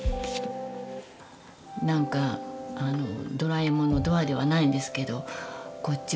何かドラえもんのドアではないんですけどこっち